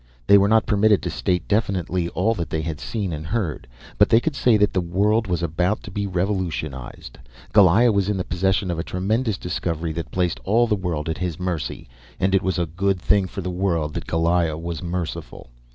They were not permitted to state definitely all that they had seen and heard, but they could say that the world was about to be revolutionized. Goliah was in the possession of a tremendous discovery that placed all the world at his mercy, and it was a good thing for the world that Goliah was merciful.